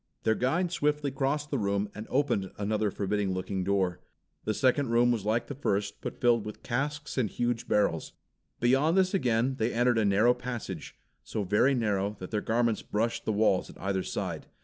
Their guide swiftly crossed the room and opened another forbidding looking door. The second room was like the first, but was filled with casks and huge barrels. Beyond this again they entered a narrow passage, so very narrow that their garments brushed the walls at either side.